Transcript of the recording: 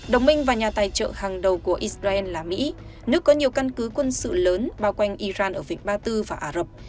đồng minh và nhà tài trợ hàng đầu của israel là mỹ nước có nhiều căn cứ quân sự lớn bao quanh iran ở vịnh ba tư và ả rập